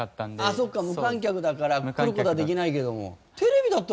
そうか無観客だから来る事はできないけども。